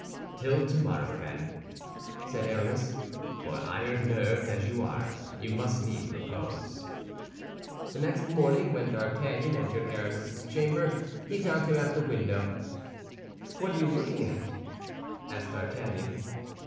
"Till tomorrow, then," said Aramis; "for iron nerved as you are, you must need repose." The next morning, when D'Artagnan entered Aramis's chamber, he found him at the window. "What are you looking at?" asked D'Artagnan.